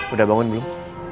udah bangun belum